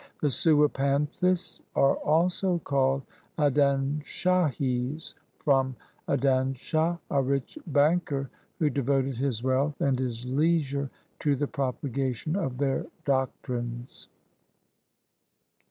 The Sewapanthis are also called Adanshahis from Adanshah, a rich banker who devoted his wealth and his leisure to the propagation of their doctrines.